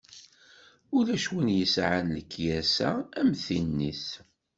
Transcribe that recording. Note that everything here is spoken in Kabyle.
Ulac win i yesɛan lekyasa am tin-is.